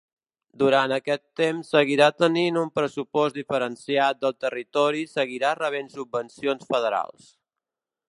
Durant aquest temps seguirà tenint un pressupost diferenciat del territori i seguirà rebent subvencions federals.